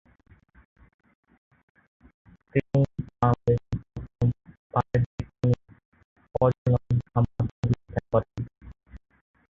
তিনি বাংলাদেশে প্রথম বাণিজ্যিক কুমির প্রজনন খামার প্রতিষ্ঠা করেন।